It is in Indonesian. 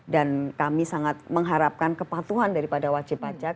dan kami sangat mengharapkan kepatuhan daripada wajib pajak